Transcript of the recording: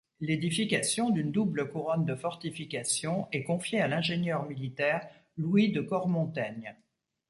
L’édification d’une double couronne de fortification est confiée à l’ingénieur militaire Louis de Cormontaigne.